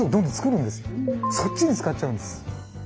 そっちに使っちゃうんです。